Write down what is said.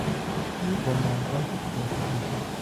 او قمارباز کودنی بود.